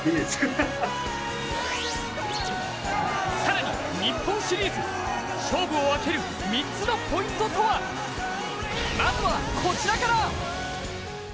更に、日本シリーズ、勝負を分ける、３つのポイントとはまずはこちらから！